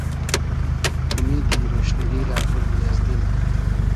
اومیدی رۉشنیگی رۂ بوردی از دیل